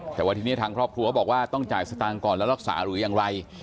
แต่ว่าทีนี้ทางครอบครัวบอกว่าต้องจ่ายสตางค์ก่อนแล้วรักษาหรือยังไร